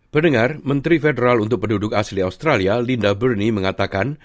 pendengar menteri federal untuk penduduk asli australia linda bernie mengatakan